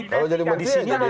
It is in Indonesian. kalau jadi mandisi tadi